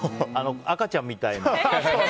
赤ちゃんみたいな。